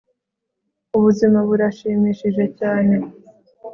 ubuzima burashimishije cyane